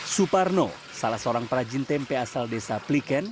suparno salah seorang perajin tempe asal desa pliken